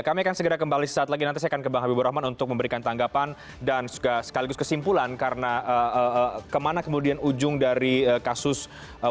kami akan segera kembali saat lagi nanti saya akan ke bang habibur rahman untuk memberikan tanggapan dan sekaligus kesimpulan karena kemana kemudian ujung dari kasus